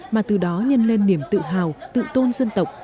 mà từ đó nhân lên niềm tự hào tự tôn dân tộc